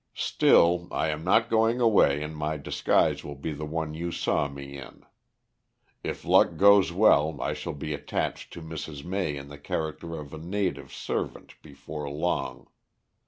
"Still, I am not going away and my disguise will be the one you saw me in. If luck goes well I shall be attached to Mrs. May in the character of a native servant before long.